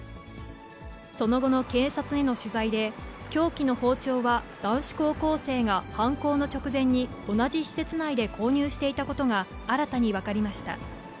その後の警察への取材で、凶器の包丁は男子高校生が犯行の直前に、同じ施設内で購入していたことが新たに分かりました。